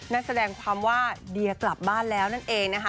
นั่นแสดงความว่าเดียกลับบ้านแล้วนั่นเองนะคะ